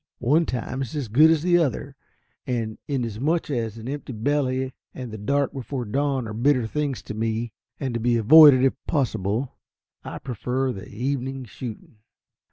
One time is as good as the other, and inasmuch as an empty belly and the dark before the dawn are bitter things to me, and to be avoided if possible, I prefer the evening shooting.